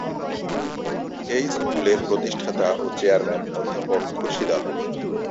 এই স্কুলের প্রতিষ্ঠাতা ও চেয়ারম্যান অধ্যাপক খুরশিদ আলম।